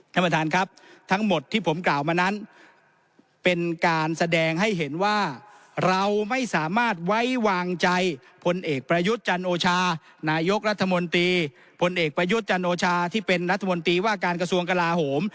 ท่านประธานครับทั้งหมดที่ผมกล่าวมานั้นเป็นการแสดงให้เห็นว่าเราไม่สามารถไว้วางใจพลเอกประยุทธ์จันโอชานายกรัฐมนตรีพลเอกประยุทธ์จันโอชาที่เป็นรัฐมนตรีว่าการกระทรวงกลาโหม